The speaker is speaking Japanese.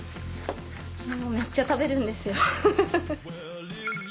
めっちゃ食べるんですよ。